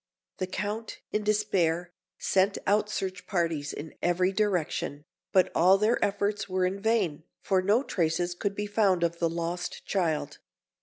The Count, in despair, sent out search parties in every direction; but all their efforts were in vain, for no traces could be found of the lost child.